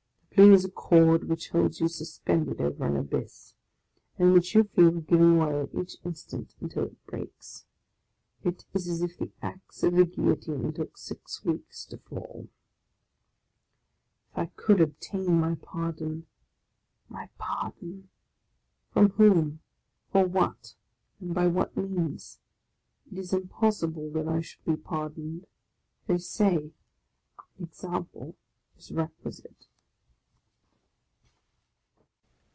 The plea is a cord which holds you suspended over an abyss, and which you feel giving way at each instant until it breaks. It is as if the axe of the Guil lotine took six weeks to fall. If I could obtain my pardon !— my pardon ! From whom, for what, and by what means ? It is impossible that I should be pardoned. They say an example is requisite.